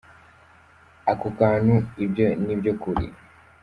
Ako kantu : ibyo ni byo kuri.